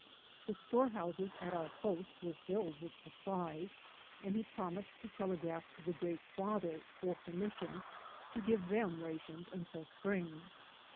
The storehouses at our post were filled with supplies, and he promised to telegraph to the Great Father for permission to give them rations until spring.